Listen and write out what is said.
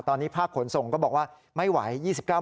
ตอนนี้ภาคขนส่งก็บอกว่าไม่ไหว